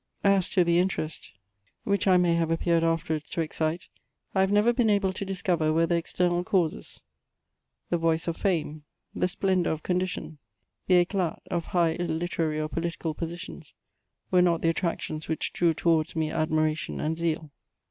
As to the interest, which I may have appeared afterwards to ex cite, I have never been able to discover whether external causes, the voice of fame, the splendour of condition, the eclai of high literary or political positions, were not the attractions which drew towards me admiration and zeal.